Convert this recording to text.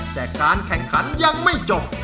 แต่การแข่งขันยังไม่จบ